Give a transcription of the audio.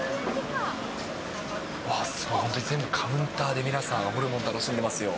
わー、すごい、カウンターで皆さん、ホルモン楽しんでますよ。